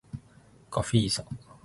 ガフィーザ